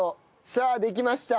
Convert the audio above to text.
さあできました。